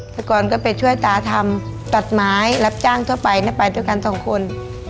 แต่ก่อนก็ไปช่วยตาทำตัดไม้รับจ้างทั่วไปนะไปด้วยกันสองคน